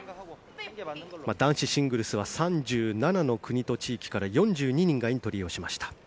男子シングルスは３７の国と地域から４２人がエントリーしました。